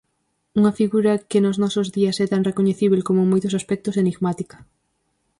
Unha figura que nos nosos días é tan recoñecíbel como, en moitos aspectos, enigmática.